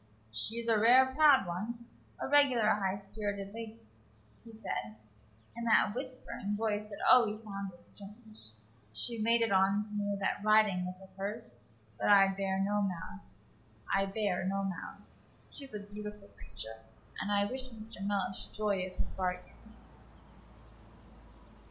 "She's a rare proud one a regular high spirited lady," he said, in that whispering voice that always sounded strange. "She laid in on me with that riding whip of hers; but I bear no malice I bear no malice. She's a beautiful creature, and I wish Mr. Mellish joy of his bargain."